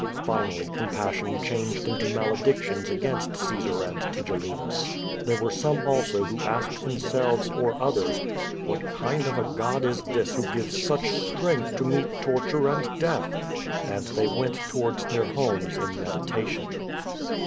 Finally compassion changed into maledictions against Caesar and Tigellinus. There were some also who asked themselves, or others, "AMiat kind of a God is this who gives such strength to meet torture and death?" And they went towards their homes in meditation.